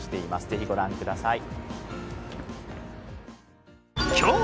是非ご覧ください。